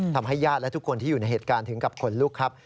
ทำให้ญาติและทุกคนที่อยู่ในเหตุการณ์ถึงกับขนลุกครับ